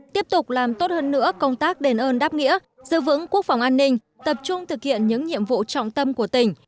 tiếp tục làm tốt hơn nữa công tác đền ơn đáp nghĩa giữ vững quốc phòng an ninh tập trung thực hiện những nhiệm vụ trọng tâm của tỉnh